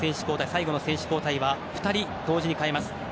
最後の選手交代は２人同時に代えます。